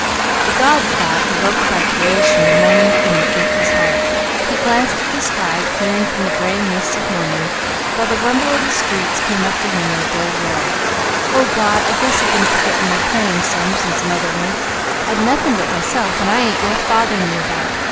The God thought, evoked by creation, remained in Mickey's heart. He glanced at the sky clearing from the graying mists of morning, while the rumble of the streets came up to him in a dull roar. "O God, I guess I been forgetting my praying some, since mother went. I'd nothing but myself and I ain't worth bothering You about.